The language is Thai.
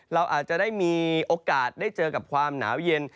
เราอาจจะได้มีโอกาสได้เจอกับความหนาวเย็น